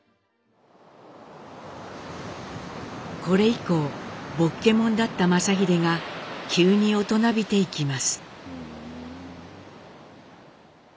これ以降「ぼっけもん」だった正英が急に大人びていきます。